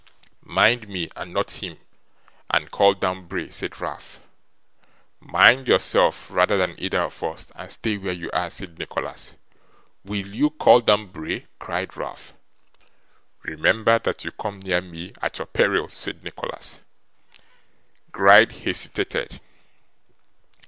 'Mind me, and not him, and call down Bray,' said Ralph. 'Mind yourself rather than either of us, and stay where you are!' said Nicholas. 'Will you call down Bray?' cried Ralph. 'Remember that you come near me at your peril,' said Nicholas. Gride hesitated.